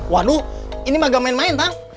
waduh ini mah gak main main tang